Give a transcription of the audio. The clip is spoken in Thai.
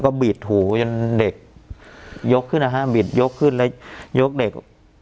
ก็บิดหูจนเด็กยกขึ้นนะฮะบิดยกขึ้นแล้วยกเด็ก